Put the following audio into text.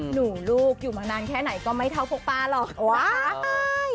หนูลูกอยู่มานานแค่ไหนก็ไม่เทาพกปลาหรอก